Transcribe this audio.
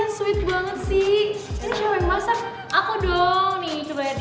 kalian sweet banget sih